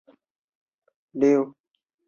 米尔斯也十分关注苏联。